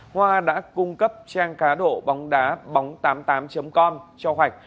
hoa đã cung cấp trang cá độ bóng đá bóng tám mươi tám com cho hoạch